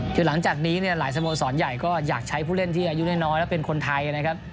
คือหลังจากนี้เนี่ยหลายสโมสรใหญ่ก็อยากใช้ผู้เล่นที่อายุน้อยและเป็นคนไทยนะครับ